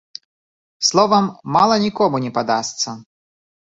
Словам, мала нікому не падасца.